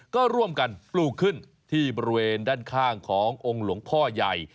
ก็ร่วมกันปลูกขึ้นที่บริเวณด้านข้างขององค์หลวงพ่อใหญ่